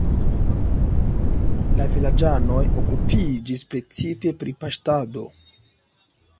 La vilaĝanoj okupiĝis precipe pri paŝtado.